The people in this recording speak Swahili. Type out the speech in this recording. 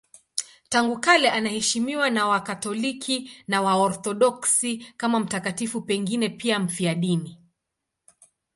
Tangu kale anaheshimiwa na Wakatoliki na Waorthodoksi kama mtakatifu, pengine pia mfiadini.